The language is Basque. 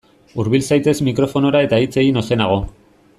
Hurbil zaitez mikrofonora eta hitz egin ozenago.